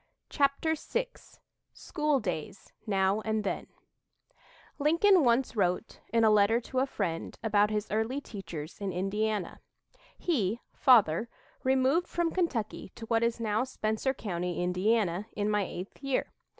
CHAPTER VI SCHOOL DAYS NOW AND THEN Lincoln once wrote, in a letter to a friend, about his early teachers in Indiana: "He (father) removed from Kentucky to what is now Spencer County, Indiana, in my eighth year.